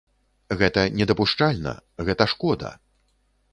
Гэта недапушчальна, гэта шкода.